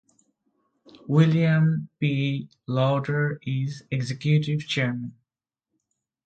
William P. Lauder is Executive Chairman.